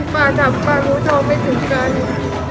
๑๐บาททำปลาหูทองไม่ถึงการ